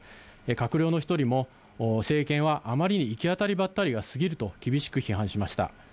閣僚の一人も、政権はあまりに行き当たりばったりがすぎると厳しく批判しました。